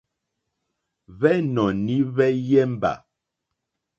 Hwɛ́nɔ̀ní hwɛ́yɛ́mbà.